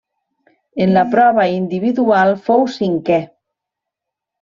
En la prova Individual fou cinquè.